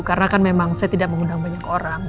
karena kan memang saya tidak mengundang banyak orang